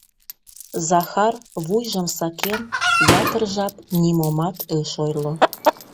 Захар, вуйжым сакен, ятыр жап нимомат ыш ойло.